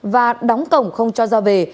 và đóng cổng không cho ra về